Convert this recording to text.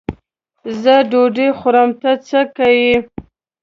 زه ډوډۍ خورم؛ ته څه که یې.